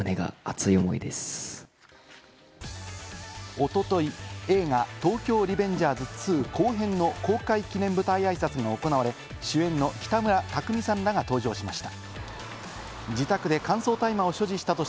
おととい、映画『東京リベンジャーズ２』後編の公開記念舞台あいさつが行われ、主演の北村匠海さんらが登場しました。